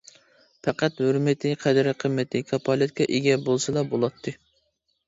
پەقەت ھۆرمىتى، قەدىر-قىممىتى كاپالەتكە ئىگە بولسىلا بولاتتى.